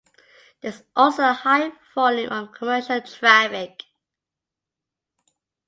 There is also a high volume of commercial traffic.